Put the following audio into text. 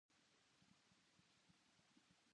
知らなければ悲しくはならないでしょ？